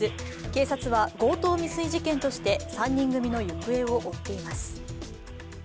警察は強盗未遂事件として３人組の行方を追っています。